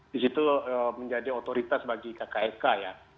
di situ menjadi otoritas bagi kksk ya